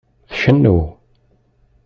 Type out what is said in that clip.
Tcennu.